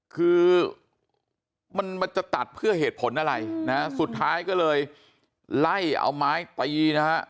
คือมันมันจะตัดเพื่อเหตุผลอะไรนะฮะสุดท้ายก็เลยไล่เอาไม้ตีนะฮะ